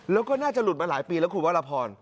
แล้วก็น่าจะหลุดมาหลายปีแล้วคุณวรพร